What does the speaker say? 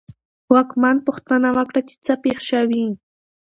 واکمن پوښتنه وکړه چې څه پېښ شوي.